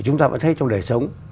chúng ta vẫn thấy trong đời sống